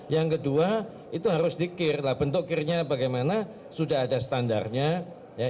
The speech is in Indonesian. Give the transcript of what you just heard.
yang kedua itu harus dikir lah bentuk kirnya bagaimana sudah ada standarnya ya